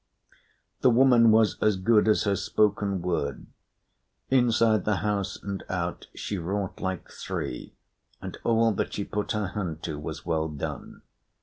The woman was as good as her spoken word. Inside the house and out she wrought like three, and all that she put her hand to was well done.